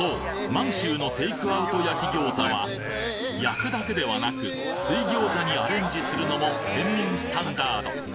満洲のテイクアウト焼ぎょうざは焼くだけではなく水ぎょうざにアレンジするのも県民スタンダード。